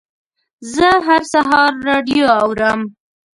زه هر سهار راډیو اورم.